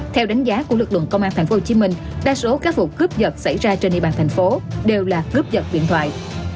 theo đánh giá của lực lượng công an tp hcm đa số các vụ cướp vật xảy ra trên y bàn thành phố đều là cướp vật điện thoại